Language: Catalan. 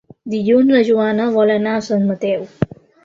Dilluns na Joana vol anar a Sant Mateu.